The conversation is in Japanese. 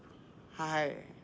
はい。